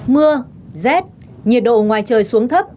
mưa rét nhiệt độ ngoài trời xuống thấp